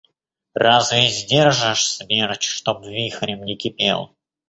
Разве сдержишь смерч, чтоб вихрем не кипел?!